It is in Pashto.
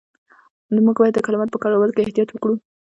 موږ باید د کلماتو په کارولو کې احتیاط وکړو.